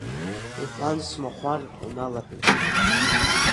Уҳәан, смахәар уналаҳәит.